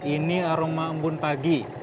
ini aroma embun pagi